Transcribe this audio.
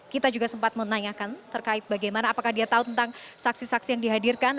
kita juga sempat menanyakan terkait bagaimana apakah dia tahu tentang saksi saksi yang dihadirkan